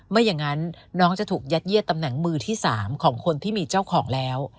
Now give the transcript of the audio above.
ไม่อย่างนั้นน้องจะถูกยัดเยียดตำแหน่งมือที่๓ของคนที่มีเจ้าของแล้ว